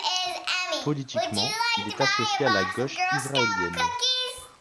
Politiquement, il est associé à la gauche israélienne.